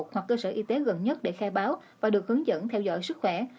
hoặc cơ sở y tế gần nhất để khai báo và được hướng dẫn theo dõi sức khỏe